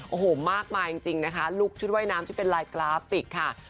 โอ้โหมากมายจริงนะคะลุคชุดว่ายน้ำที่เป็นลายกราฟิกค่ะ